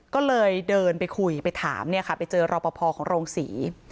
ก็เลยเดินไปคุยไปถามไปเจอรอปภของโรงสี